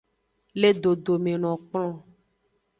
Le dodome no kplon.